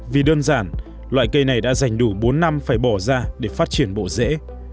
vì đơn giản loại cây này đã dành đủ bốn năm phải bỏ ra để phát triển bộ rễ